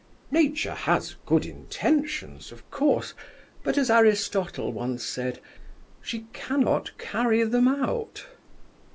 Nature has good intentions, of course, but, as Aristotle once said, she cannot carry them out.